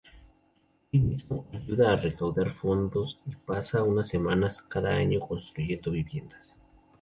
El mismo ayuda a recaudar fondos y pasa unas semanas cada año construyendo viviendas.